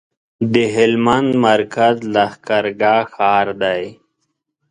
د هلمند مرکز لښکرګاه ښار دی